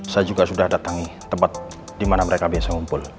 saya juga sudah datangi tempat dimana mereka biasa ngumpul